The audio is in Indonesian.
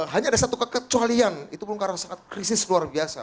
hanya ada satu kekecualian itu pun karena sangat krisis luar biasa